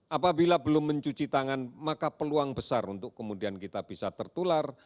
apabila belum mencuci tangan maka peluang besar untuk kemudian kita bisa tertular